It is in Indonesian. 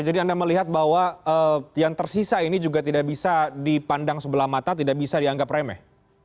anda melihat bahwa yang tersisa ini juga tidak bisa dipandang sebelah mata tidak bisa dianggap remeh